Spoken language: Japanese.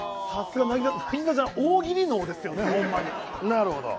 なるほど。